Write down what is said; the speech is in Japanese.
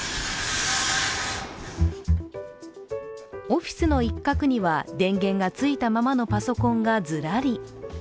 オフィスの一角には、電源がついたままのパソコンがずらり。